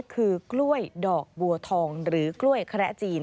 คือกล้วยดอกบัวทองหรือกล้วยแคระจีน